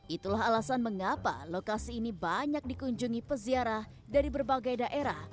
itulah alasan mengapa lokasi ini banyak dikunjungi peziarah dari berbagai daerah